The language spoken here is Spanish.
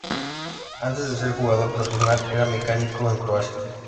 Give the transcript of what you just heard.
Antes de ser jugador profesional, era mecánico en Croacia.